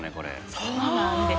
そうなんです。